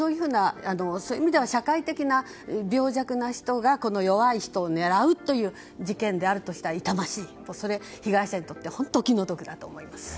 そういう意味では社会的な病弱な人が弱い人を狙うという事件であるとしたら痛ましい、被害者にとってはお気の毒だと思います。